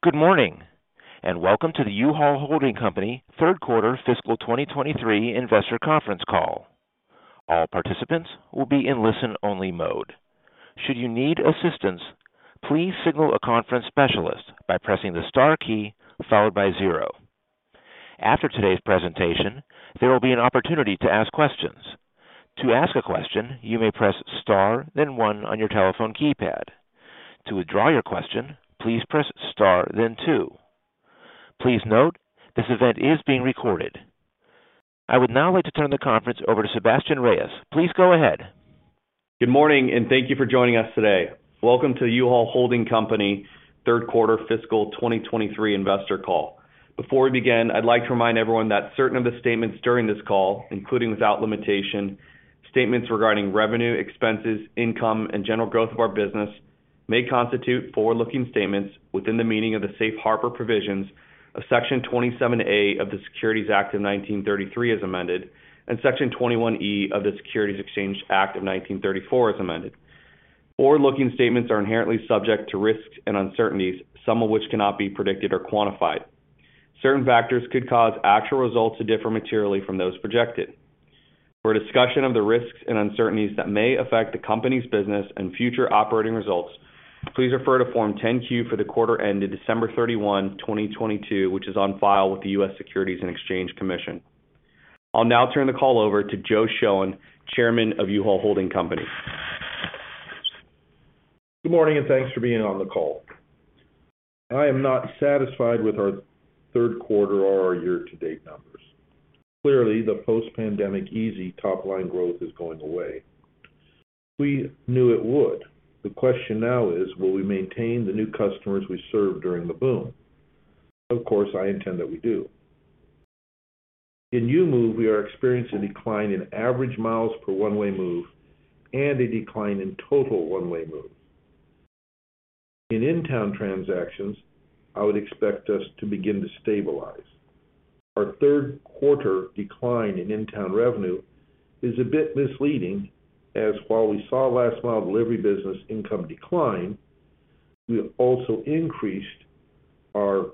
Good morning, and welcome to the U-Haul Holding Company Third Quarter Fiscal 2023 Investor Conference Call. All participants will be in listen-only mode. Should you need assistance, please signal a conference specialist by pressing the star key followed by zero. After today's presentation, there will be an opportunity to ask questions. To ask a question, you may press star then one on your telephone keypad. To withdraw your question, please press star then two. Please note, this event is being recorded. I would now like to turn the conference over to Sebastien Reyes. Please go ahead. Good morning. Thank you for joining us today. Welcome to the U-Haul Holding Company Third Quarter Fiscal 2023 Investor Call. Before we begin, I'd like to remind everyone that certain of the statements during this call, including without limitation, statements regarding revenue, expenses, income, and general growth of our business, may constitute forward-looking statements within the meaning of the Safe Harbor provisions of Section 27A of the Securities Act of 1933 as amended, and Section 21E of the Securities Exchange Act of 1934 as amended. Forward-looking statements are inherently subject to risks and uncertainties, some of which cannot be predicted or quantified. Certain factors could cause actual results to differ materially from those projected. For a discussion of the risks and uncertainties that may affect the company's business and future operating results, please refer to Form 10-Q for the quarter ended December 31, 2022, which is on file with the U.S. Securities and Exchange Commission. I'll now turn the call over to Joe Shoen, Chairman of U-Haul Holding Company. Good morning. Thanks for being on the call. I am not satisfied with our third quarter or our year-to-date numbers. Clearly, the post-pandemic easy top-line growth is going away. We knew it would. The question now is, will we maintain the new customers we served during the boom? Of course, I intend that we do. In New Move, we are experiencing a decline in average miles per one-way move and a decline in total one-way move. In in-town transactions, I would expect us to begin to stabilize. Our third quarter decline in in-town revenue is a bit misleading, as while we saw last mile delivery business income decline, we have also increased our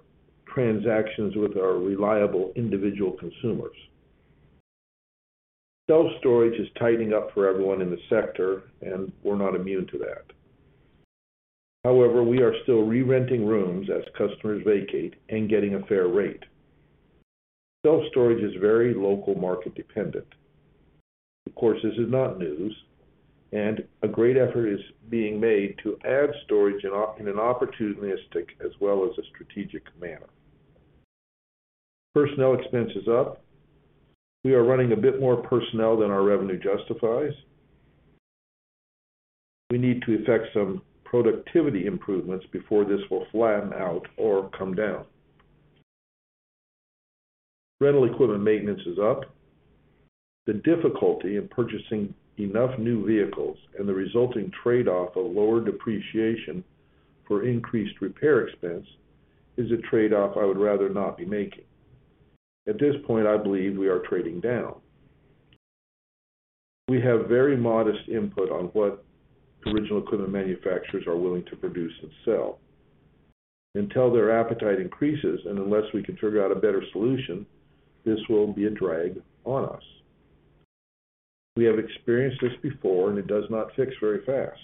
transactions with our reliable individual consumers. Self-storage is tightening up for everyone in the sector, and we're not immune to that. However, we are still re-renting rooms as customers vacate and getting a fair rate. Self-storage is very local market dependent. Of course, this is not news, and a great effort is being made to add storage in an opportunistic as well as a strategic manner. Personnel expense is up. We are running a bit more personnel than our revenue justifies. We need to affect some productivity improvements before this will flatten out or come down. Rental equipment maintenance is up. The difficulty in purchasing enough new vehicles and the resulting trade-off of lower depreciation for increased repair expense is a trade-off I would rather not be making. At this point, I believe we are trading down. We have very modest input on what original equipment manufacturers are willing to produce and sell. Until their appetite increases, and unless we can figure out a better solution, this will be a drag on us. We have experienced this before, and it does not fix very fast.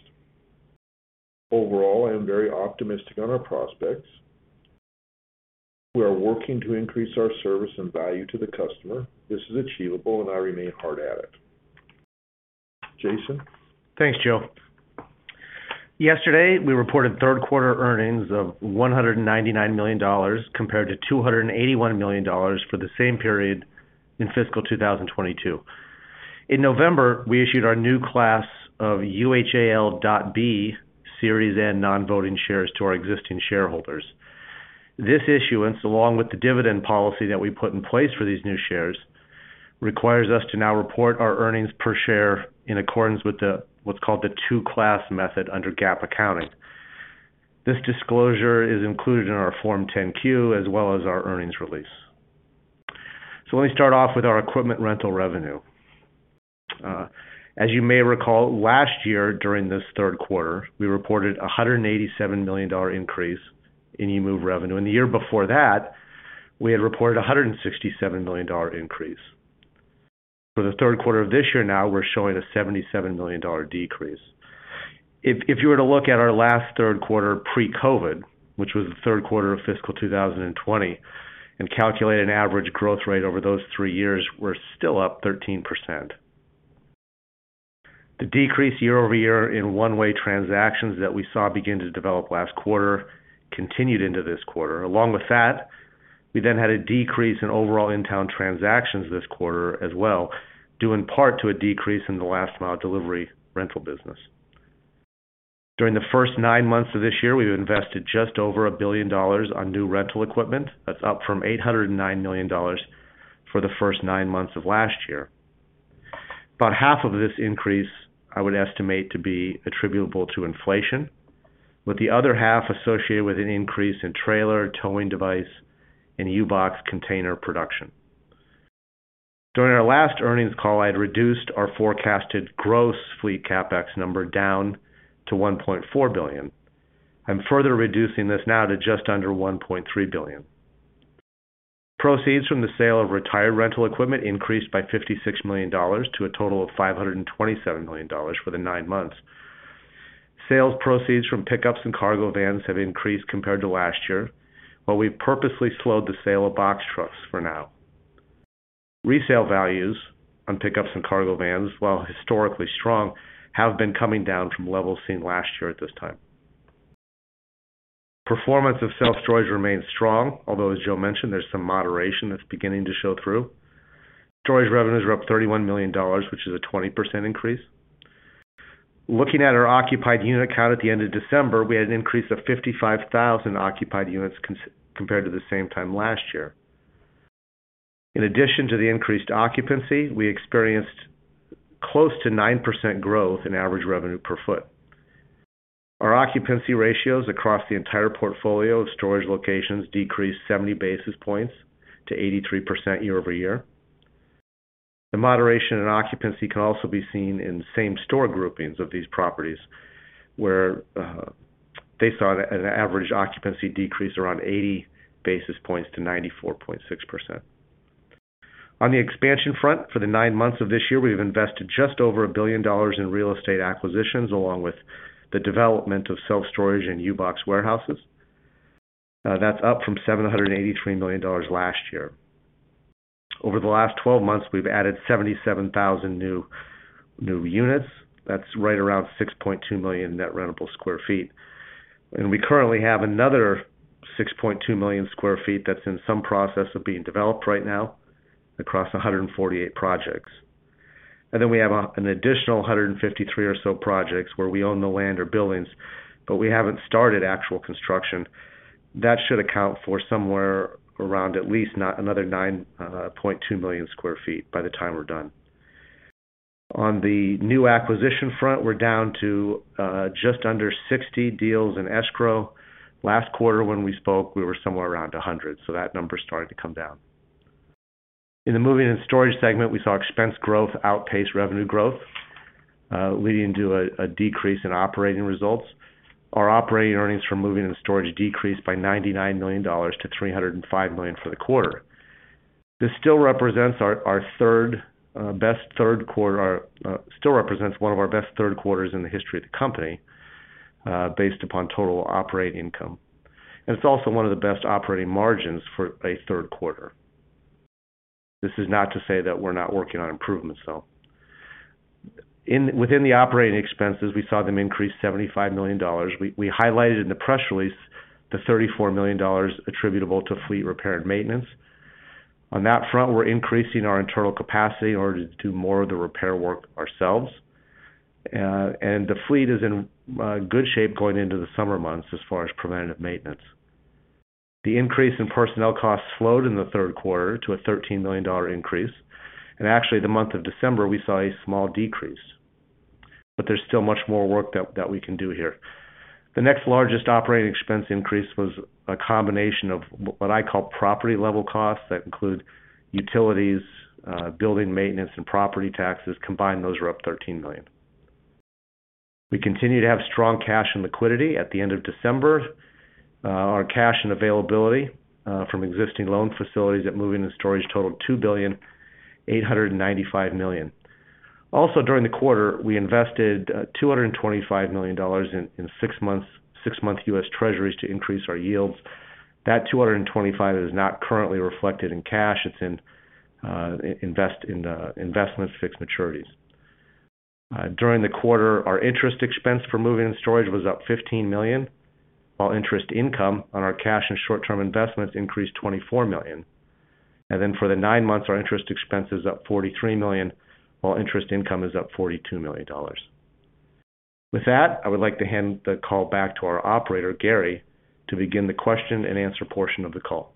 Overall, I am very optimistic on our prospects. We are working to increase our service and value to the customer. This is achievable, and I remain hard at it. Jason? Thanks, Joe. Yesterday, we reported third quarter earnings of $199 million compared to $281 million for the same period in fiscal 2022. In November, we issued our new class of UHAL.B Series N non-voting shares to our existing shareholders. This issuance, along with the dividend policy that we put in place for these new shares, requires us to now report our earnings per share in accordance with the what's called the two-class method under GAAP accounting. This disclosure is included in our Form 10-Q as well as our earnings release. Let me start off with our equipment rental revenue. As you may recall, last year during this third quarter, we reported a $187 million increase in U-Move revenue. The year before that, we had reported a $167 million increase. For the third quarter of this year now, we're showing a $77 million decrease. If you were to look at our last third quarter pre-COVID, which was the third quarter of fiscal 2020, and calculate an average growth rate over those three years, we're still up 13%. The decrease year-over-year in one-way transactions that we saw begin to develop last quarter continued into this quarter. Along with that, we then had a decrease in overall in-town transactions this quarter as well, due in part to a decrease in the last mile delivery rental business. During the first nine months of this year, we've invested just over $1 billion on new rental equipment. That's up from $809 million for the first nine months of last year. About half of this increase, I would estimate to be attributable to inflation, with the other half associated with an increase in trailer, towing device, and U-Box container production. During our last earnings call, I had reduced our forecasted gross fleet CapEx number down to $1.4 billion. I'm further reducing this now to just under $1.3 billion. Proceeds from the sale of retired rental equipment increased by $56 million to a total of $527 million for the nine months. Sales proceeds from pickups and cargo vans have increased compared to last year, while we purposely slowed the sale of box trucks for now. Resale values on pickups and cargo vans, while historically strong, have been coming down from levels seen last year at this time. Performance of self-storage remains strong, although as Joe mentioned, there's some moderation that's beginning to show through. Storage revenues were up $31 million, which is a 20% increase. Looking at our occupied unit count at the end of December, we had an increase of 55,000 occupied units compared to the same time last year. In addition to the increased occupancy, we experienced close to 9% growth in average revenue per foot. Our occupancy ratios across the entire portfolio of storage locations decreased 70 basis points to 83% year-over-year. The moderation in occupancy can also be seen in same store groupings of these properties, where they saw an average occupancy decrease around 80 basis points to 94.6%. On the expansion front, for the nine months of this year, we've invested just over $1 billion in real estate acquisitions, along with the development of self-storage and U-Box warehouses. That's up from $783 million last year. Over the last 12 months, we've added 77,000 new units. That's right around 6.2 million net rentable square feet. We currently have another 6.2 million sq ft that's in some process of being developed right now across 148 projects. We have an additional 153 or so projects where we own the land or buildings, but we haven't started actual construction. That should account for somewhere around at least another 9.2 million sq ft by the time we're done. On the new acquisition front, we're down to just under 60 deals in escrow. Last quarter when we spoke, we were somewhere around 100. That number started to come down. In the moving and storage segment, we saw expense growth outpace revenue growth, leading to a decrease in operating results. Our operating earnings from moving and storage decreased by $99 million to $305 million for the quarter. This still represents our third best third quarter. Still represents one of our best third quarters in the history of the company, based upon total operating income. It's also one of the best operating margins for a third quarter. This is not to say that we're not working on improvements, though. Within the operating expenses, we saw them increase $75 million. We highlighted in the press release the $34 million attributable to fleet repair and maintenance. On that front, we're increasing our internal capacity in order to do more of the repair work ourselves. And the fleet is in good shape going into the summer months as far as preventative maintenance. The increase in personnel costs slowed in the third quarter to a $13 million increase. Actually, the month of December, we saw a small decrease. There's still much more work that we can do here. The next largest operating expense increase was a combination of what I call property-level costs that include utilities, building maintenance, and property taxes. Combined, those were up $13 million. We continue to have strong cash and liquidity. At the end of December, our cash and availability from existing loan facilities at moving and storage totaled $2.895 billion. During the quarter, we invested $225 million in 6 months, 6-month U.S. Treasuries to increase our yields. That 225 is not currently reflected in cash. It's in investments fixed maturities. During the quarter, our interest expense for moving and storage was up $15 million, while interest income on our cash and short-term investments increased $24 million. For the nine months, our interest expense is up $43 million, while interest income is up $42 million. With that, I would like to hand the call back to our operator, Gary, to begin the question-and-answer portion of the call.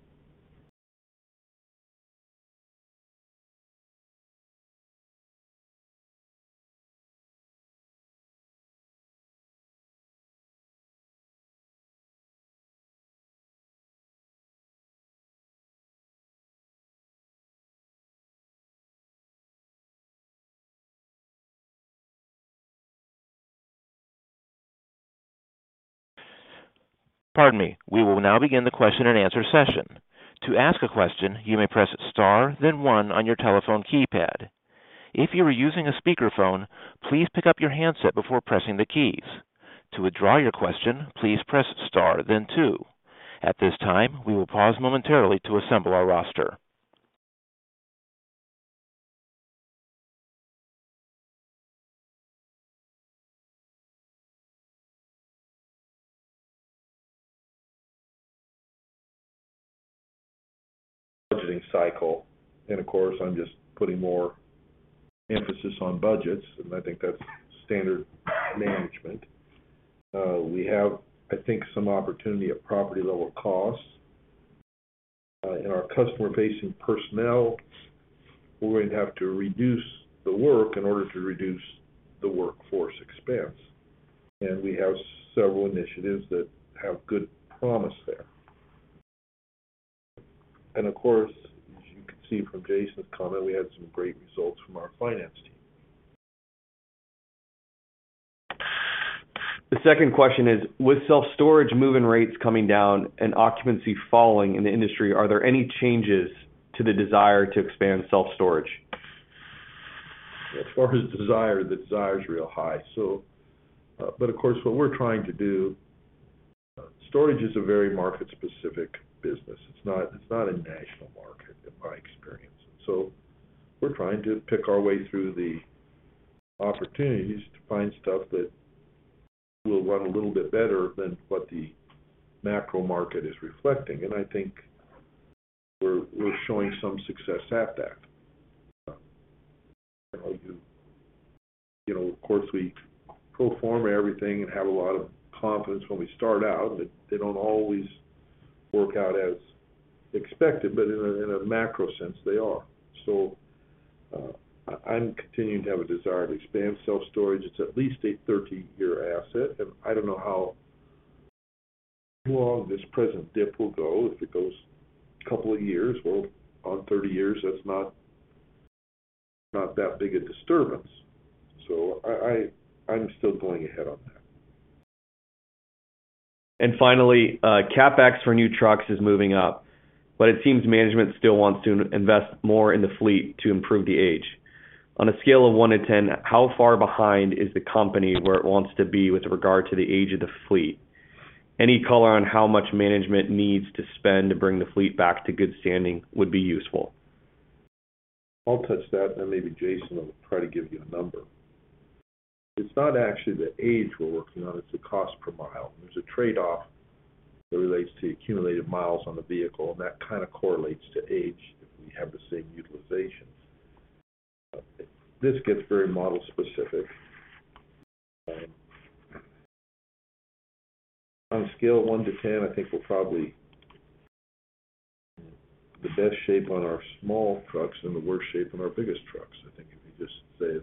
Pardon me. We will now begin the question-and-answer session. To ask a question, you may press star then one on your telephone keypad. If you are using a speakerphone, please pick up your handset before pressing the keys. To withdraw your question, please press star then two. At this time, we will pause momentarily to assemble our roster. Budgeting cycle. Of course, I'm just putting more emphasis on budgets, and I think that's standard management. We have, I think, some opportunity at property-level costs. In our customer base and personnel, we're going to have to reduce the work in order to reduce the workforce expense. We have several initiatives that have good promise there. Of course, as you can see from Jason's comment, we had some great results from our finance team. The second question is, with self-storage move-in rates coming down and occupancy falling in the industry, are there any changes to the desire to expand self-storage? As far as desire, the desire is real high. But of course, what we're trying to do, storage is a very market-specific business. It's not a national market in my experience. We're trying to pick our way through the opportunities to find stuff that will run a little bit better than what the macro market is reflecting. I think we're showing some success at that. You know, of course, we pro forma everything and have a lot of confidence when we start out, but they don't always work out as expected, but in a macro sense, they are. I'm continuing to have a desire to expand self-storage. It's at least a 30-year asset, and I don't know how long this present dip will go. If it goes a couple of years, well, on 30 years, that's not that big a disturbance. I'm still going ahead on that. Finally, CapEx for new trucks is moving up, but it seems management still wants to invest more in the fleet to improve the age. On a scale of one to 10, how far behind is the company where it wants to be with regard to the age of the fleet? Any color on how much management needs to spend to bring the fleet back to good standing would be useful. I'll touch that. Maybe Jason will try to give you a number. It's not actually the age we're working on, it's the cost per mile. There's a trade-off that relates to accumulated miles on the vehicle. That kind of correlates to age if we have the same utilizations. On a scale of one to 10, I think we're probably in the best shape on our small trucks and the worst shape on our biggest trucks. I think if you just say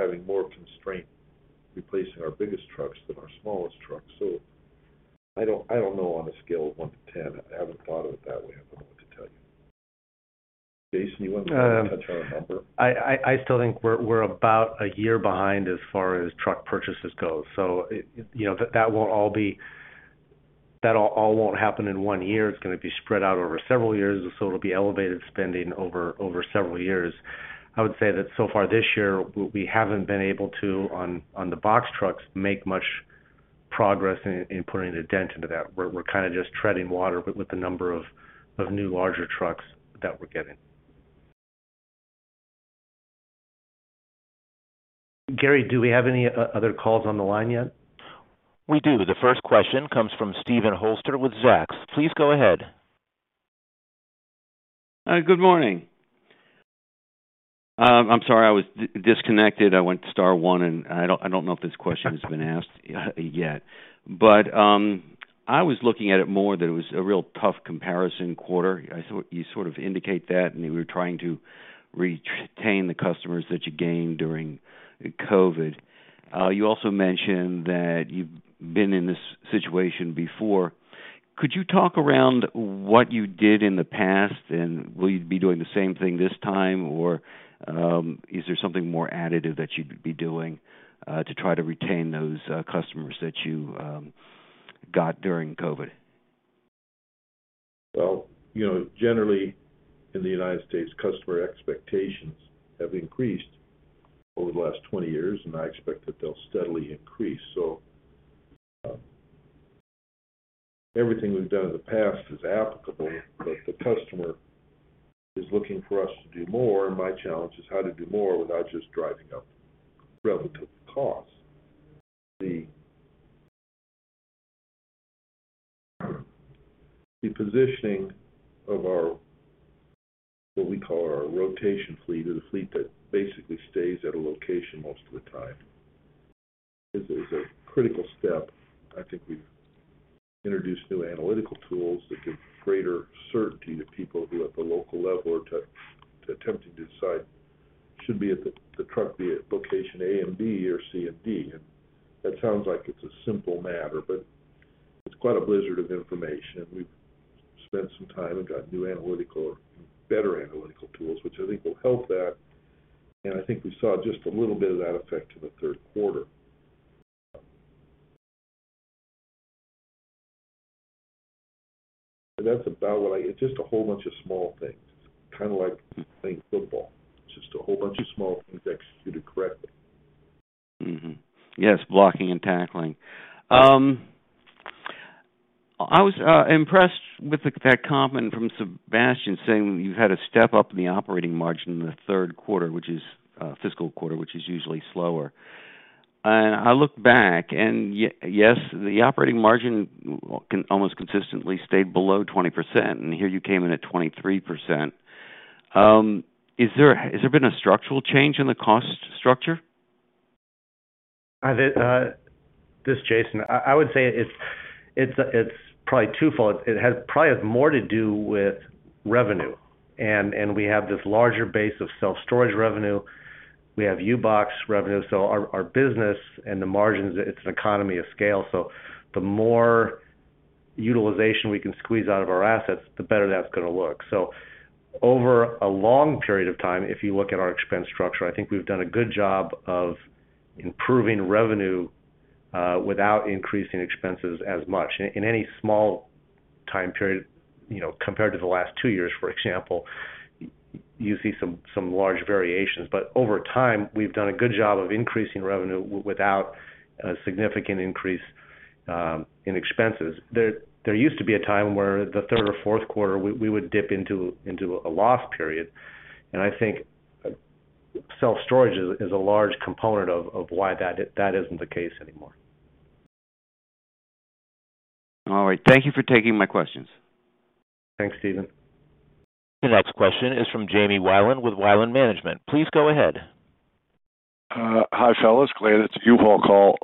we're having more constraint replacing our biggest trucks than our smallest trucks. I don't know on a scale of one to 10. I haven't thought of it that way. I don't know what to tell you. Jason, you want to touch on a number? I still think we're about a year behind as far as truck purchases go. You know, that all won't happen in one year. It's going to be spread out over several years. It'll be elevated spending over several years. I would say that so far this year, we haven't been able to, on the box trucks, make much progress in putting a dent into that. We're kind of just treading water with the number of new larger trucks that we're getting. Gary, do we have any other calls on the line yet? We do. The first question comes from Steven Ralston with Zacks. Please go ahead. Good morning. I'm sorry, I was disconnected. I went star one, I don't know if this question has been asked yet. I was looking at it more that it was a real tough comparison quarter. I thought you sort of indicate that, you were trying to retain the customers that you gained during COVID. You also mentioned that you've been in this situation before. Could you talk around what you did in the past, will you be doing the same thing this time, or is there something more additive that you'd be doing to try to retain those customers that you got during COVID? You know, generally in the United States, customer expectations have increased over the last 20 years, and I expect that they'll steadily increase. Everything we've done in the past is applicable, but the customer is looking for us to do more, and my challenge is how to do more without just driving up relative costs. The positioning of our, what we call our rotation fleet, or the fleet that basically stays at a location most of the time, is a critical step. I think we've introduced new analytical tools that give greater certainty to people who at the local level are to attempting to decide should be at the truck be at location A and B or C and D. That sounds like it's a simple matter, but it's quite a blizzard of information. We've spent some time and got new analytical or better analytical tools, which I think will help that. I think we saw just a little bit of that effect in the third quarter. That's about it's just a whole bunch of small things. It's kind of like playing football. It's just a whole bunch of small things executed correctly. Yes, blocking and tackling. I was impressed with that comment from Jason saying you've had a step up in the operating margin in the third quarter, which is fiscal quarter, which is usually slower. I look back and yes, the operating margin almost consistently stayed below 20%, and here you came in at 23%. Has there been a structural change in the cost structure? This Jason. I would say it's probably twofold. It has probably more to do with revenue. We have this larger base of self-storage revenue. We have U-Box revenue. Our business and the margins, it's an economy of scale. The more utilization we can squeeze out of our assets, the better that's gonna look. Over a long period of time, if you look at our expense structure, I think we've done a good job of improving revenue, without increasing expenses as much. In any small time period, you know, compared to the last two years, for example, you see some large variations. Over time, we've done a good job of increasing revenue without a significant increase in expenses. There used to be a time where the third or fourth quarter we would dip into a loss period. I think self-storage is a large component of why that is. That isn't the case anymore. All right. Thank you for taking my questions. Thanks, Steven. The next question is from Jamie Wieland with Wieland Management. Please go ahead. Hi, fellas. Glad it's a U-Haul call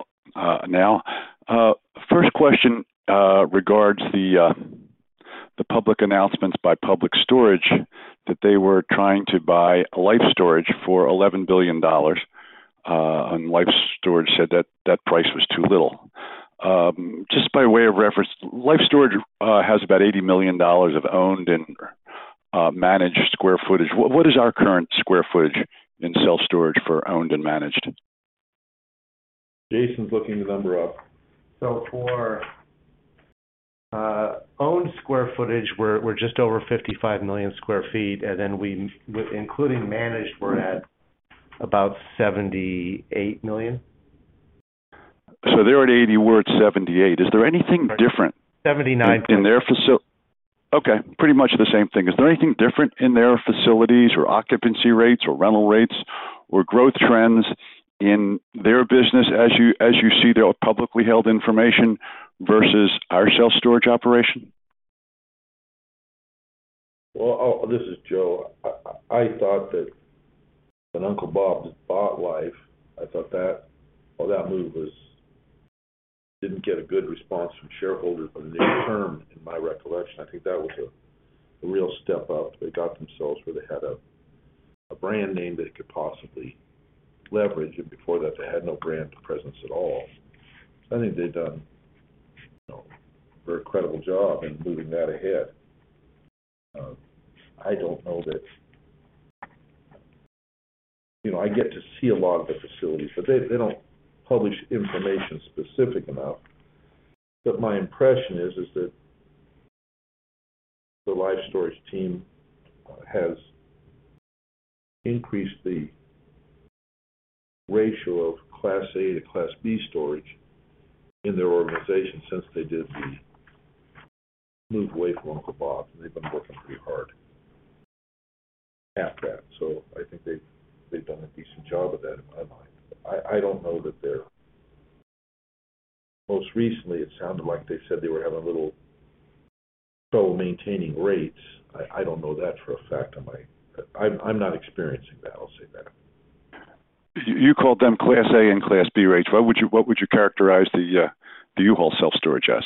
now. First question regards the public announcements by Public Storage that they were trying to buy Life Storage for $11 billion. Life Storage said that that price was too little. Just by way of reference, Life Storage has about $80 million of owned and managed square footage. What is our current square footage in self-storage for owned and managed? Jason's looking the number up. For owned square footage, we're just over 55 million sq ft, including managed, we're at about 78 million. They're at 80, we're at 78. Is there anything different- $79 million. Okay, pretty much the same thing. Is there anything different in their facilities or occupancy rates or rental rates or growth trends in their business as you see their publicly held information versus our self-storage operation? This is Joe. I thought that when Uncle Bob bought Life, didn't get a good response from shareholders on the near-term. In my recollection, I think that was a real step up. They got themselves where they had a brand name they could possibly leverage. Before that, they had no brand presence at all. I think they've done, you know, a very credible job in moving that ahead. I don't know. You know, I get to see a lot of the facilities, but they don't publish information specific enough. My impression is that the Life Storage team has increased the ratio of Class A to Class B storage in their organization since they did the move away from Uncle Bob, and they've been working pretty hard at that. I think they've done a decent job of that in my mind. I don't know that they're. Most recently, it sounded like they said they were having a little trouble maintaining rates. I don't know that for a fact. I'm not experiencing that, I'll say that. You called them Class A and Class B rates. What would you characterize the U-Haul self-storage as?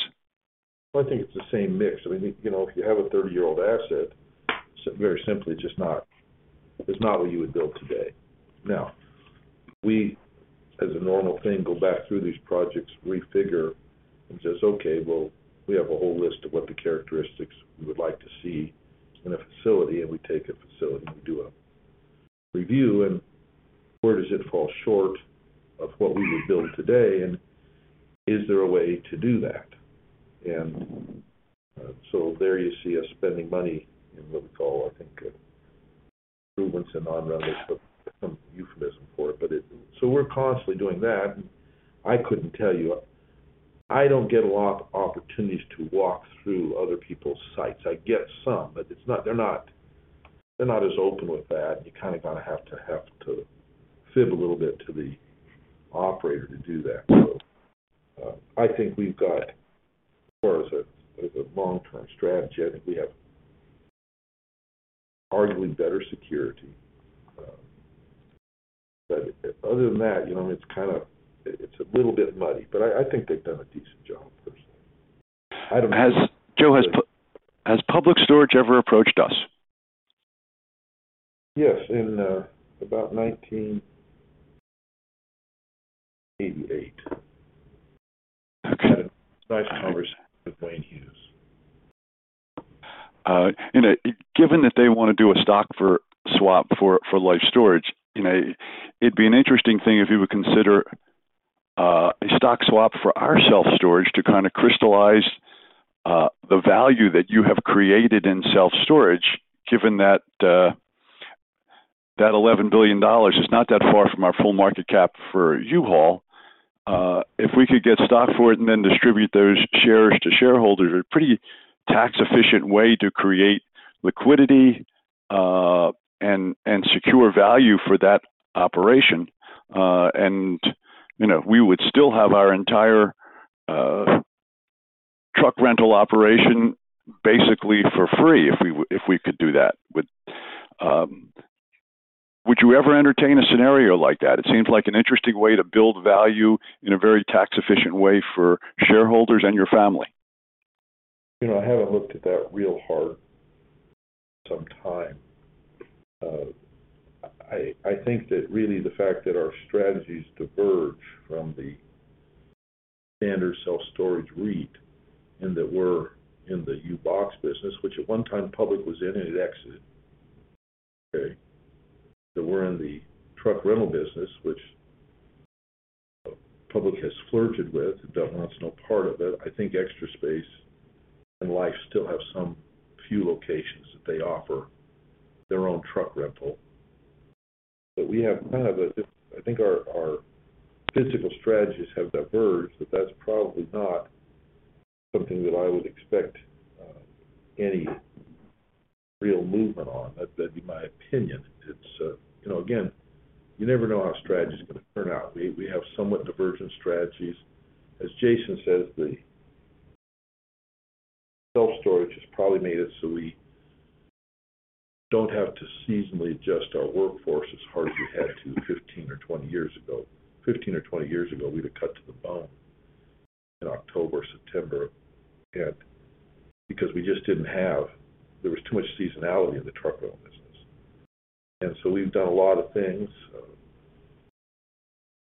Well, I think it's the same mix. I mean, you know, if you have a 30-year-old asset, very simply just not, it's not what you would build today. We, as a normal thing, go back through these projects, refigure, and says, okay, well, we have a whole list of what the characteristics we would like to see in a facility, and we take a facility, and we do a review. Where does it fall short of what we would build today, and is there a way to do that? There you see us spending money in what we call, I think, improvements in on-rent lists of some euphemism for it. We're constantly doing that. I couldn't tell you. I don't get a lot of opportunities to walk through other people's sites. I get some, but they're not as open with that. You kinda gotta have to fib a little bit to the operator to do that. I think we've got more as a long-term strategy. I think we have arguably better security. Other than that, you know, it's kinda. It's a little bit muddy, but I think they've done a decent job personally. Joe, has Public Storage ever approached us? Yes, in, about 1988. Okay. Nice conversation with Wayne Hughes. You know, given that they wanna do a stock for swap for Life Storage, you know, it'd be an interesting thing if you would consider a stock swap for our self-storage to kinda crystallize the value that you have created in self-storage, given that that $11 billion is not that far from our full market cap for U-Haul. If we could get stock for it and then distribute those shares to shareholders, a pretty tax-efficient way to create liquidity, and secure value for that operation. You know, we would still have our entire truck rental operation basically for free if we if we could do that. Would you ever entertain a scenario like that? It seems like an interesting way to build value in a very tax-efficient way for shareholders and your family. You know, I haven't looked at that real hard for some time. I think that really the fact that our strategies diverge from the standard self-storage REIT, and that we're in the U-Box business, which at one time Public was in and it exited. Okay. That we're in the truck rental business, which Public has flirted with, but wants no part of it. I think Extra Space and Life still have some few locations that they offer their own truck rental. We have kind of a different... I think our physical strategies have diverged, but that's probably not something that I would expect any real movement on. That'd be my opinion. It's... You know, again, you never know how a strategy is gonna turn out. We have somewhat divergent strategies. As Jason says, the self-storage has probably made it so we don't have to seasonally adjust our workforce as hard as we had to 15 or 20 years ago. 15 or 20 years ago, we'd have cut to the bone in October, September. There was too much seasonality in the truck rental business. We've done a lot of things,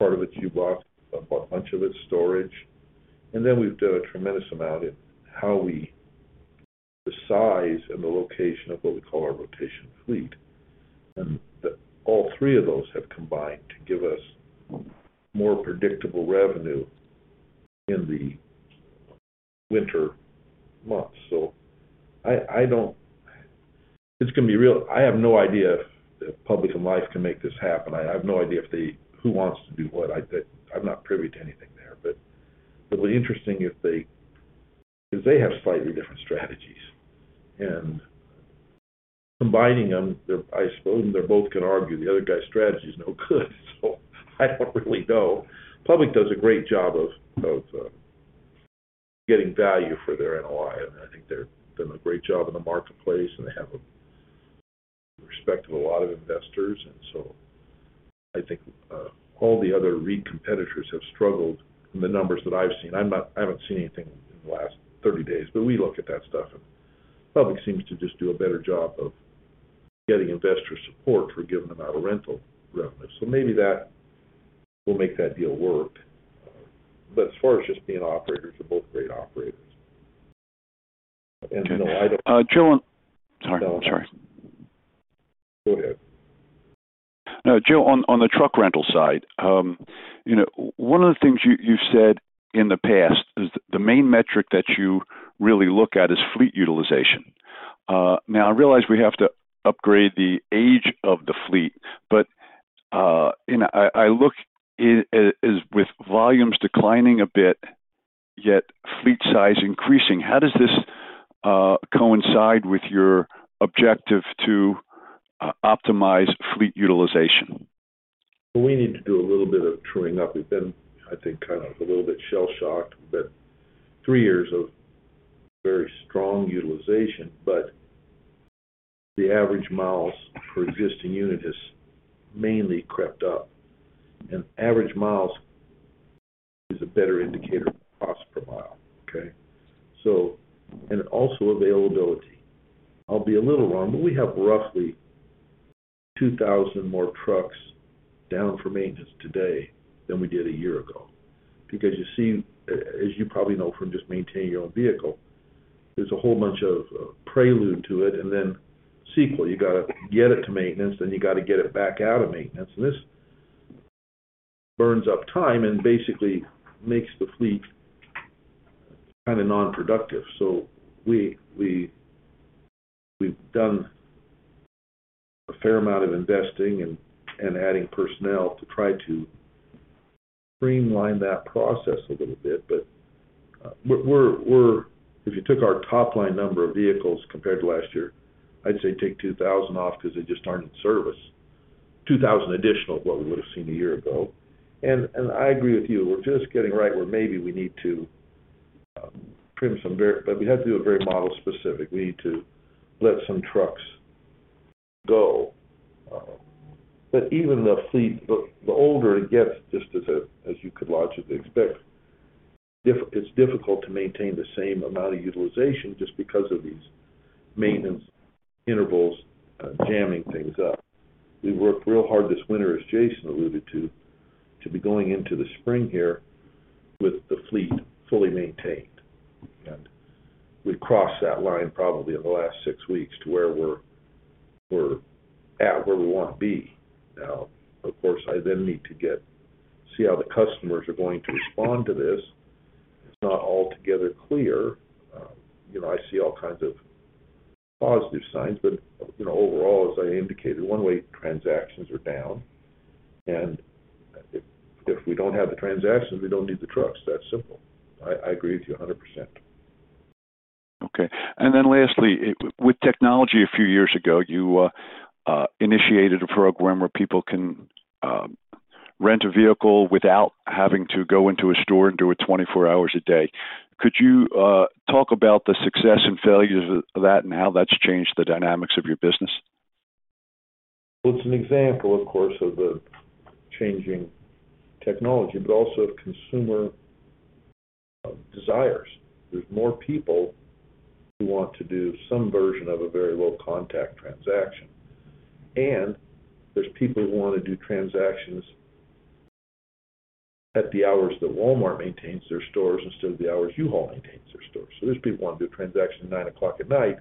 part of it U-Box, a bunch of it storage. We've done a tremendous amount. The size and the location of what we call our rotation fleet. All three of those have combined to give us more predictable revenue in the winter months. I have no idea if Public and Life can make this happen. I have no idea who wants to do what. I'm not privy to anything there. It'll be interesting if they because they have slightly different strategies. Combining them, I suppose they both can argue the other guy's strategy is no good so I don't really know. Public does a great job of getting value for their NOI, and I think they're doing a great job in the marketplace, and they have the respect of a lot of investors. I think, all the other REIT competitors have struggled from the numbers that I've seen. I haven't seen anything in the last 30 days, but we look at that stuff, and Public seems to just do a better job of getting investor support for a given amount of rental revenue. Maybe that will make that deal work. As far as just being operators, they're both great operators. You know, I don't- Joe, Sorry. Go ahead. Joe, on the truck rental side, you know, one of the things you said in the past is the main metric that you really look at is fleet utilization. Now I realize we have to upgrade the age of the fleet, you know, I look is with volumes declining a bit, yet fleet size increasing, how does this coincide with your objective to optimize fleet utilization? We need to do a little bit of truing up. We've been, I think, kind of a little bit shell-shocked, three years of very strong utilization. The average miles per existing unit has mainly crept up, and average miles is a better indicator of cost per mile, okay. And also availability. I'll be a little wrong, but we have roughly 2,000 more trucks down for maintenance today than we did a year ago. You see, as you probably know from just maintaining your own vehicle, there's a whole bunch of prelude to it and then sequel. You got to get it to maintenance, you got to get it back out of maintenance. This burns up time and basically makes the fleet kind of non-productive. We've done a fair amount of investing and adding personnel to try to streamline that process a little bit. If you took our top-line number of vehicles compared to last year, I'd say take 2,000 off because they just aren't in service. 2,000 additional is what we would have seen a year ago. I agree with you. We're just getting right where maybe we need to trim some very model-specific. We need to let some trucks go. Even the fleet, the older it gets, just as you could logically expect, it's difficult to maintain the same amount of utilization just because of these maintenance intervals, jamming things up. We worked real hard this winter, as Jason alluded to be going into the spring here with the fleet fully maintained. We crossed that line probably in the last 6 weeks to where we're at where we want to be. Of course, I then need to see how the customers are going to respond to this. It's not altogether clear. You know, I see all kinds of positive signs, overall, as I indicated, one-way transactions are down. If we don't have the transactions, we don't need the trucks. That simple. I agree with you 100%. Okay. Lastly, with technology a few years ago, you initiated a program where people can rent a vehicle without having to go into a store and do it 24 hours a day. Could you talk about the success and failures of that and how that's changed the dynamics of your business? It's an example, of course, of the changing technology, but also of consumer desires. There's more people who want to do some version of a very low contact transaction, and there's people who want to do transactions at the hours that Walmart maintains their stores instead of the hours U-Haul maintains their stores. There's people who want to do a transaction at 9:00 at night,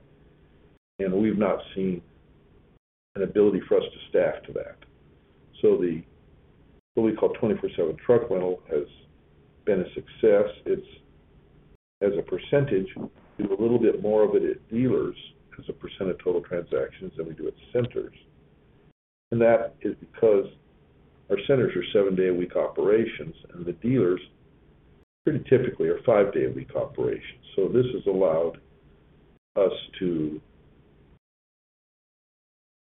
and we've not seen an ability for us to staff to that. What we call 24/7 truck rental has been a success. It's as a %, we have a little bit more of it at dealers as a percent of total transactions than we do at centers. That is because our centers are seven-day-a-week operations, and the dealers pretty typically are 5-day-a-week operations. This has allowed us to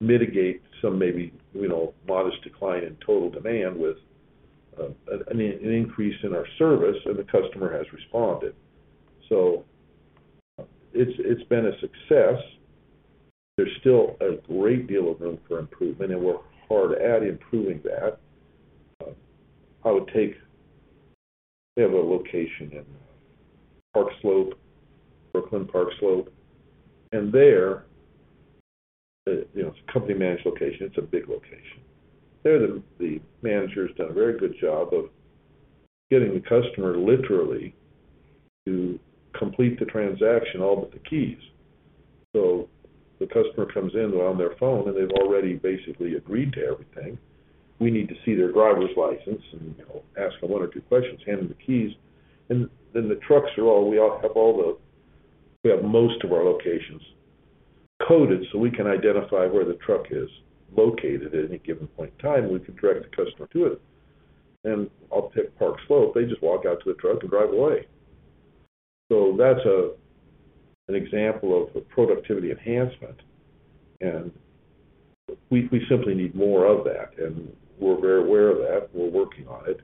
mitigate some maybe, you know, modest decline in total demand with an increase in our service. The customer has responded. It's been a success. There's still a great deal of room for improvement. We're hard at improving that. We have a location in Park Slope, Brooklyn Park Slope. There, you know, it's a company managed location. It's a big location. There, the manager's done a very good job of getting the customer literally to complete the transaction, all but the keys. The customer comes in, they're on their phone. They've already basically agreed to everything. We need to see their driver's license, you know, ask them one or two questions, hand them the keys. We have most of our locations coded, so we can identify where the truck is located at any given point in time. We can direct the customer to it. I'll take Park Slope. They just walk out to the truck and drive away. That's an example of a productivity enhancement, and we simply need more of that, and we're very aware of that. We're working on it.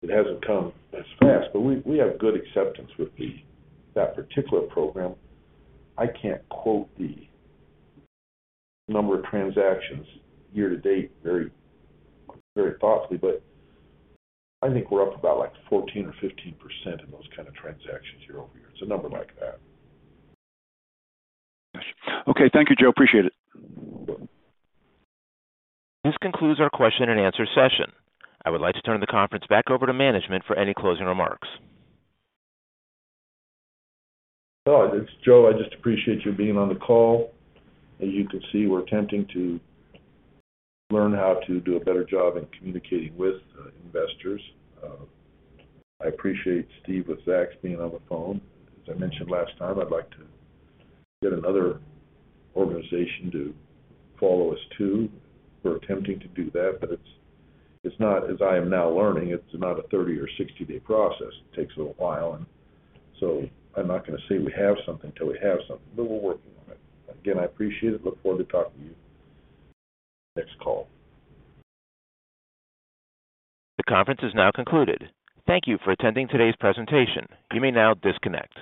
It hasn't come as fast, but we have good acceptance with that particular program. I can't quote the number of transactions year-to-date very thoughtfully, but I think we're up about like 14% or 15% in those kind of transactions year-over-year. It's a number like that. Okay. Thank you, Joe. Appreciate it. This concludes our question-and-answer session. I would like to turn the conference back over to management for any closing remarks. No, it's Joe. I just appreciate you being on the call. As you can see, we're attempting to learn how to do a better job in communicating with investors. I appreciate Steve with Zacks being on the phone. As I mentioned last time, I'd like to get another organization to follow us too. We're attempting to do that, but it's not, as I am now learning, it's not a 30 or 60 day process. It takes a little while. I'm not gonna say we have something till we have something, but we're working on it. Again, I appreciate it. Look forward to talking to you next call. The conference is now concluded. Thank you for attending today's presentation. You may now disconnect.